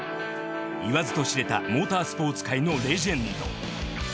言わずと知れたモータースポーツ界のレジェンド。